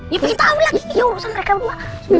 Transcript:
ya pergi tahu lagi yaudah mereka berdua